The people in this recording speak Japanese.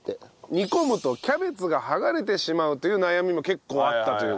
煮込むとキャベツが剥がれてしまうという悩みも結構あったという事で。